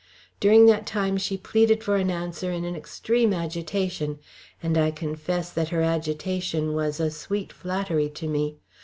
During that time she pleaded for an answer in an extreme agitation, and I confess that her agitation was a sweet flattery to me.